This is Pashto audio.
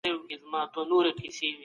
نورو نظرونو ته احترام وکړئ.